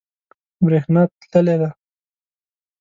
بریښنا تللی ده